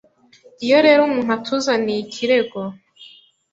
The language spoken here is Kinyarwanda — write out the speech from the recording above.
iyo rero umuntu atuzaniye ikirego